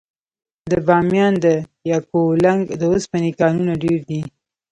د بامیان د یکاولنګ د اوسپنې کانونه ډیر دي.